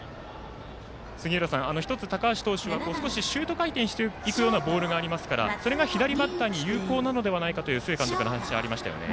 杉浦さん、高橋投手はシュート回転していくボールがありますがそれが左バッターに有効なのではないかという須江監督の話、ありましたよね。